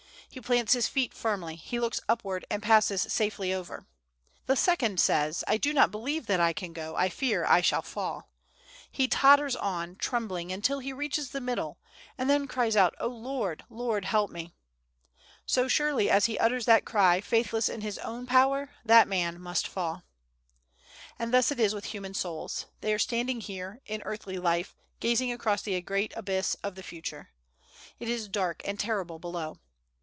He plants his feet firmly; he looks upward, and passes safely over. The second says, "I do not believe that I can go; I fear I shall fall." He totters on, trembling, until he reaches the middle, and then cries out, "O Lord, Lord, help me!" So surely as he utters that cry, faithless in his own power, that man must fall. And thus it is with human souls. They are standing here, in earthly life, gazing across the great abyss of the Future. It is dark and terrible below.